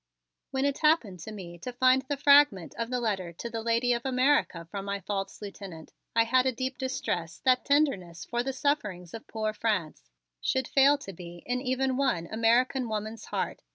"When it happened to me to find the fragment of the letter to the lady of America from my false lieutenant, I had a deep distress that tenderness for the sufferings of poor France should fail to be in even one American woman's heart.